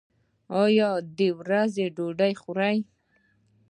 ایا د ورځې ډوډۍ خورئ؟